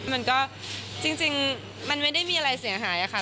มันก็จริงมันไม่ได้มีอะไรเสียหายอะค่ะ